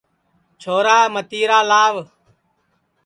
چھورا متیرا لاو